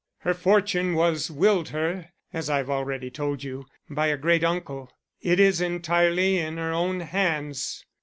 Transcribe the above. Her fortune was willed her, as I have already told you, by a great uncle. It is entirely in her own hands.